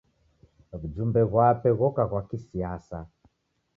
W'ujumbe ghwape ghoka ghwa kisiasa.